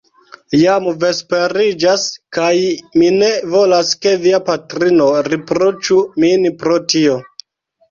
Jam vesperiĝas; kaj mi ne volas, ke via patrino riproĉu min pro tio.